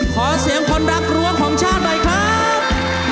ขอเสียงคนรักรั้วของชาติหน่อยครับ